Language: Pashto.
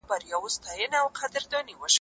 ایا جګړي د خلکو ژوند بدل کړ؟